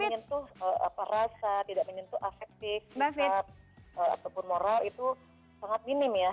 tidak menyentuh perasa tidak menyentuh afektif atau pun moral itu sangat minim ya